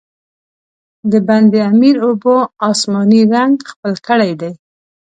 د بند امیر اوبو، آسماني رنګ خپل کړی دی.